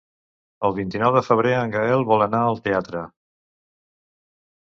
El vint-i-nou de febrer en Gaël vol anar al teatre.